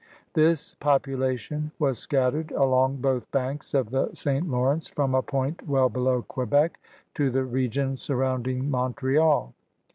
This population was scattered along both banks of the St. Lawrence from a point well below Quebec to the region surrounding Montreal.